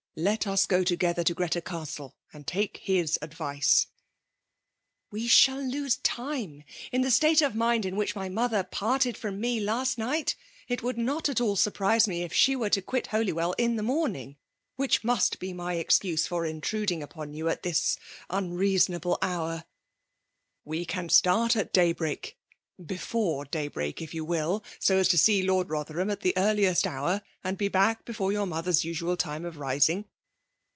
liet us go together to Greta Castle* and take his advioa'* *' We shall lose time. In die state of mind in which my mother parted from me last night, it would not at all surprise me, if she were to quit Holywell in the morning ; which must be my excuse for intruding upon you at this un« veaaonable hour/' ''We can start ai day*break, befbre day break if you wtU ; so as to see Lord Bother ham at the earliest hour, and be back before 264 FKUALC DOIIIKATION. your mother's usual time of rising.